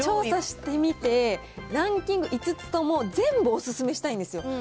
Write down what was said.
調査してみて、ランキング５つとも全部お勧めしたいんですよ。